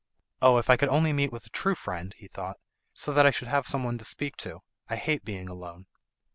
"Oh, if I could only meet with a true friend," he thought, "so that I should have some one to speak to. I hate being alone."